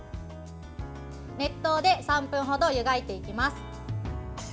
熱湯で３分ほど湯がいていきます。